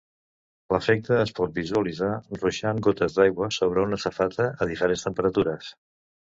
L'efecte es pot visualitzar ruixant gotes d'aigua sobre una safata a diferents temperatures.